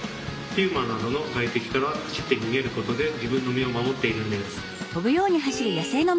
ピューマなどの外敵から走って逃げることで自分の身を守っているんです。